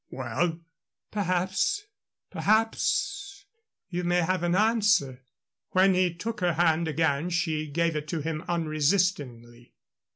"Well?" "Perhaps perhaps you may have an answer." When he took her hand again she gave it to him unresistingly.